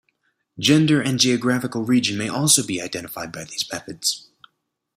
Gender and geographical region may also be identified by these methods.